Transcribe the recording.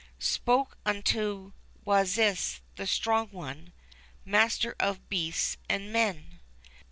Spoke unto Wasis, the Strong One, Master of beasts and men.